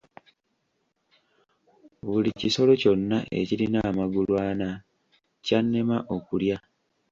Buli kisolo kyonna ekirina amagulu ana kyannema okulya.